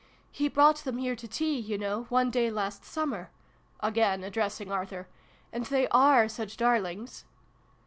" He brought them here to tea, you know, one day last summer," again addressing Arthur ;" and they are such darlings